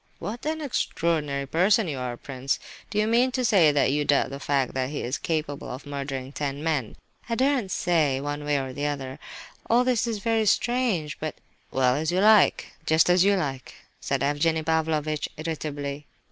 "What an extraordinary person you are, prince! Do you mean to say that you doubt the fact that he is capable of murdering ten men?" "I daren't say, one way or the other; all this is very strange—but—" "Well, as you like, just as you like," said Evgenie Pavlovitch, irritably.